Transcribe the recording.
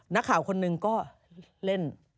นักข่าวคนหนึ่งก็เล่น